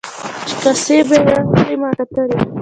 چې کاسې به یې راوړلې ما کتلې.